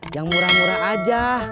yang murah murah aja